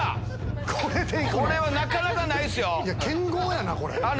これはなかなかないっすよ。